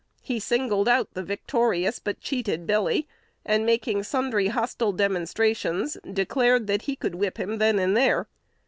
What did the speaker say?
He singled out the victorious but cheated Billy, and, making sundry hostile demonstrations, declared that he could whip him then and there.